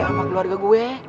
sama keluarga gue